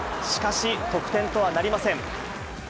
しかし、得点とはなりません。